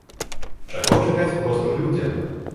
Чаго чакаць простым людзям?